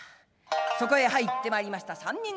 そこへ入ってまいりました三人連れのお侍。